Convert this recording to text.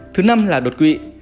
thứ năm là đột quỵ